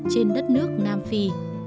trên đất nước nam phi